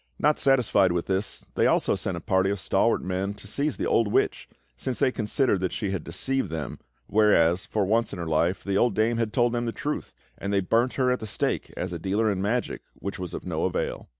Not satisfied with this, they also sent a party of stalwart men to seize the old witch, since they considered that she had deceived them, whereas, for once in her life, the old dame had told them the truth; and they burnt her at the stake as a dealer in magic which was of no avail.